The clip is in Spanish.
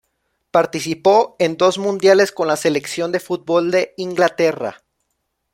Participó en dos Mundiales con la selección de fútbol de Inglaterra.